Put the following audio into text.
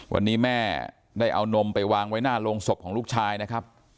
วันนี้แม่ได้เอานมไปวางไว้หน้าโรงศพของลูกชายนะครับ